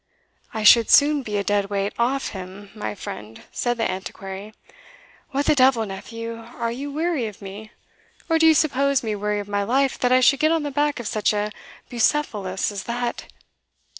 "I should soon be a dead weight off him, my friend," said the Antiquary. "What the devil, nephew, are you weary of me? or do you suppose me weary of my life, that I should get on the back of such a Bucephalus as that?